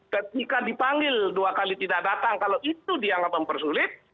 ketika dipanggil dua kali tidak datang kalau itu dianggap mempersulit